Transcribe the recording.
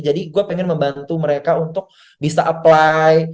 jadi gue pengen membantu mereka untuk bisa apply